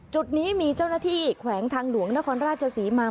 จุดนี้มีเจ้าหน้าที่แขวงทางหลวงนครราชศรีมา